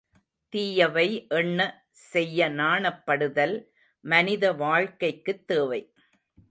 தீயவை எண்ண செய்ய நாணப்படுதல் மனித வாழ்க்கைக்குத் தேவை.